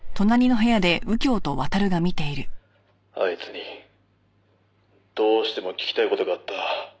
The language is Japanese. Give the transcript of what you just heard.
「あいつにどうしても聞きたい事があった」